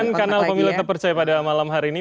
demikian kanal pemilu tepercaya pada malam hari ini